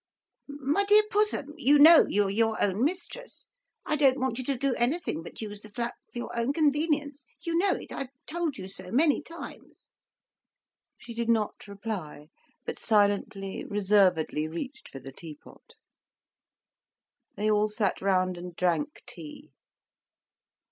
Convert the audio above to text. "My dear Pussum, you know you are your own mistress. I don't want you to do anything but use the flat for your own convenience—you know it, I've told you so many times." She did not reply, but silently, reservedly reached for the tea pot. They all sat round and drank tea.